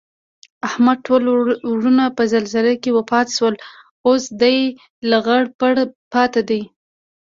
احمد ټول ورڼه په زلزله کې وفات شول. اوس دی لغړ پغړ پاتې دی